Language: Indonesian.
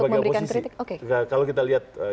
sebagai oposisi kalau kita lihat